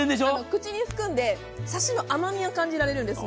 口に含んでサシに甘みを感じられるんです。